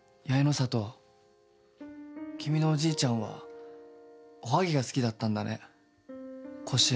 里君のおじいちゃんはおはぎが好きだったんだねこしあんの。